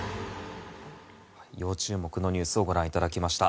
要注目のニュースをご覧いただきました。